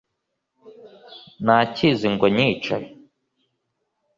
ntakizi ngo nkice!